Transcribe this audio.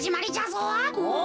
お！